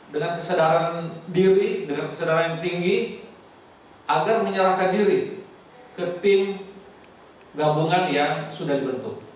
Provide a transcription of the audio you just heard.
dengan kesadaran diri dengan kesadaran tinggi agar menyerahkan diri ke tim gabungan yang sudah dibentuk